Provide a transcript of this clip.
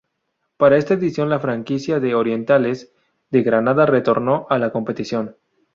Para esta edición la franquicia de Orientales de Granada retornó a la competición.